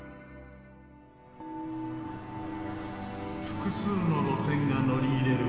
複数の路線が乗り入れる